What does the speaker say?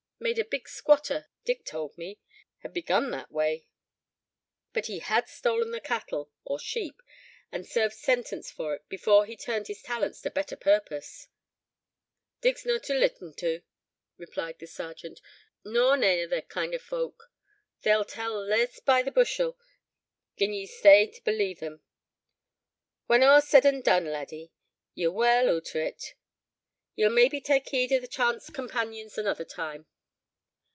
Many a big squatter, Dick told me, had begun that way, but he had stolen the cattle or sheep, and served sentence for it, before he turned his talents to better purpose." "Dick's no to lippen to," replied the Sergeant, "nor nane o' thae kind o' folk. They'll tell lees by the bushel, gin ye stay to believe them. When a's said and done, laddie, ye're well oot o' it. Ye'll maybe tak' heed o' chance companions anither time."